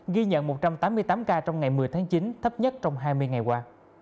ghi nhận một trăm tám mươi tám ca trong ngày một mươi tháng chín thấp nhất trong hai mươi ngày qua